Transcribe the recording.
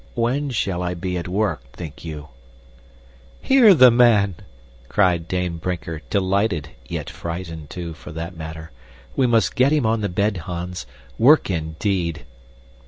When shall I be at work, think you?" "Hear the man!" cried Dame Brinker, delighted, yet frightened, too, for that matter. "We must get him on the bed, Hans. Work indeed!"